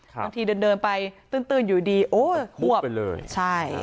บางทีเดินเดินไปตื้นตื้นอยู่ดีโอ้ยควบไปเลยใช่